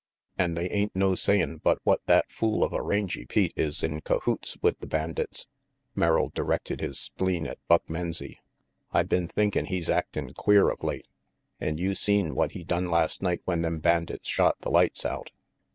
"An' they ain't no sayin' but what that fool of a Rangy Pete is in cahoots with the bandits," Merrill directed his spleen at Buck Menzie. "I been thinkin' he's actin' queer of late, an' you seen what he done last night when them bandits shot the lights out."